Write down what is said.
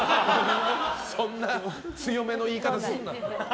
そんな強めの言い方すんな。